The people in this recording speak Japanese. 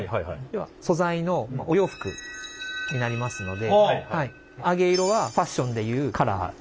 要は素材のお洋服になりますので揚げ色はファッションでいうカラー。